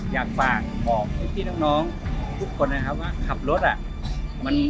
อยากฝากบอกพี่น้องทุกคนนะครับว่าขับรถอ่ะ